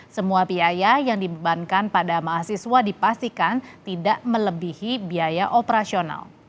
semua biaya yang dibebankan pada mahasiswa dipastikan tidak melebihi biaya operasional